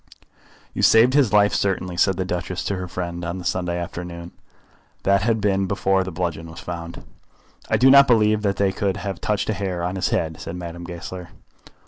"You saved his life, certainly," said the Duchess to her friend on the Sunday afternoon. That had been before the bludgeon was found. "I do not believe that they could have touched a hair of his head," said Madame Goesler.